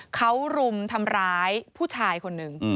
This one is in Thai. เขารุมทำร้ายผู้ชายคนหนึ่ง